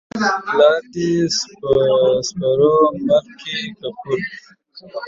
پلار دي سپرو مړ کى که پل؟